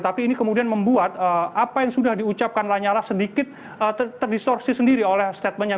tapi ini kemudian membuat apa yang sudah diucapkan lanyala sedikit terdistorsi sendiri oleh statementnya